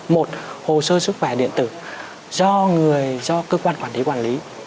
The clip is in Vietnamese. một hồ sơ sức khỏe điện tử do người do cơ quan quản lý quản lý